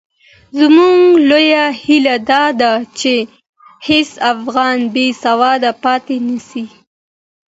زموږ لویه هیله دا ده چې هېڅ افغان بې سواده پاتې نه سي.